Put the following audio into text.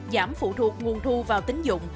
giảm phụ thuộc nguồn thu vào tính dụng